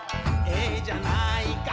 「ええじゃないか」